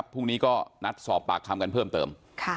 พรุ่งนี้ก็นัดสอบปากคำกันเพิ่มเติม